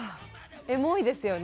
エモいですよね。